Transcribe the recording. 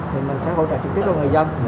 thì mình sẽ hỗ trợ trực tiếp cho người dân